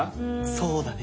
そうだね。